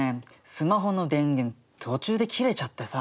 スマホの電源途中で切れちゃってさ。